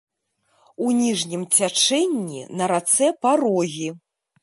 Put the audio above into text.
У ніжнім цячэнні на рацэ парогі.